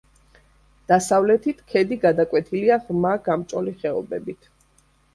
დასავლეთით ქედი გადაკვეთილია ღრმა გამჭოლი ხეობებით.